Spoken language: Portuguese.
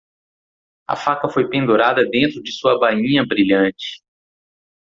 A faca foi pendurada dentro de sua bainha brilhante.